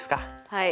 はい。